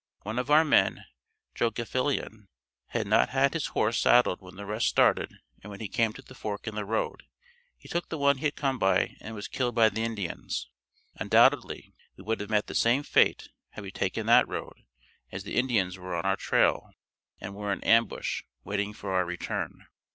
One of our men, Joe Gilfillan had not had his horse saddled when the rest started and when he came to the fork in the road, he took the one he had come by and was killed by the Indians. Undoubtedly we would have met the same fate had we taken that road as the Indians were on our trail and were in ambush waiting for our return.